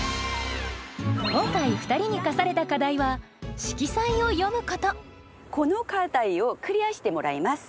今回２人に課された課題は「色彩を詠む」ことこの課題をクリアしてもらいます。